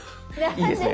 いいですね。